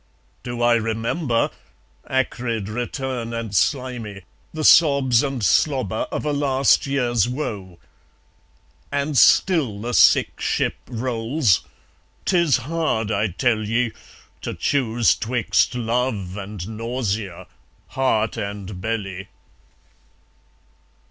Do I remember? Acrid return and slimy, The sobs and slobber of a last years woe. And still the sick ship rolls. 'Tis hard, I tell ye, To choose 'twixt love and nausea, heart and belly.